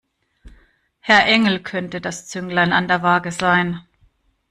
Herr Engel könnte das Zünglein an der Waage sein.